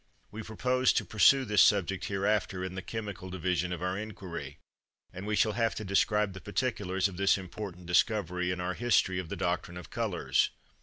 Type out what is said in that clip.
We propose to pursue this subject hereafter, in the chemical division of our inquiry, and we shall have to describe the particulars of this important discovery in our history of the doctrine of colours.